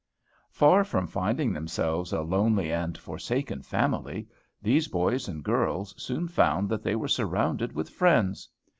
Far from finding themselves a lonely and forsaken family, these boys and girls soon found that they were surrounded with friends.